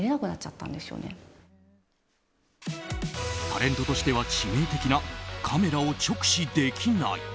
タレントとしては致命的なカメラを直視できない。